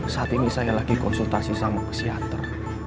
saat ini saya lagi konsultasi sama psikiater